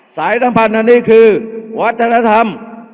สายสัมพันธ์อันนี้คือวัฒนธรรม